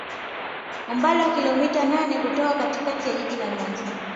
Umbali wa kilometa nane kutoka katikati ya Jiji la Mwanza